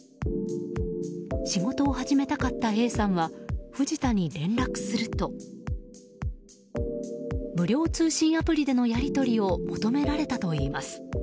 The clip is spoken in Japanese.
仕事を始めたかったＡさんは藤田に連絡すると無料通信アプリでのやり取りを求められたといいます。